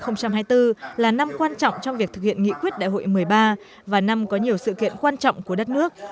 năm hai nghìn hai mươi bốn là năm quan trọng trong việc thực hiện nghị quyết đại hội một mươi ba và năm có nhiều sự kiện quan trọng của đất nước